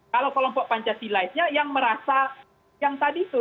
kalau kelompok pancasilaisnya yang merasa yang tadi itu